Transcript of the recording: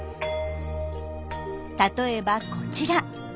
例えばこちら。